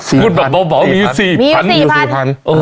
มีอยู่๔๐๐๐บาทพอมีอยู่๔๐๐๐บาทมีอยู่๔๐๐๐บาท